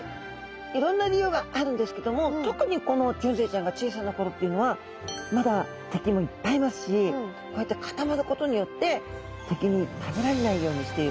いろんな理由があるんですけども特にこのギョンズイちゃんが小さな頃っていうのはまだ敵もいっぱいいますしこうやって固まることによって敵に食べられないようにしているっていうことなんですね。